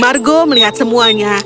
margo melihat semuanya